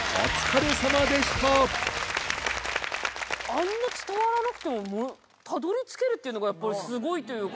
あんな伝わらなくてもたどり着けるっていうのがやっぱりスゴいというか。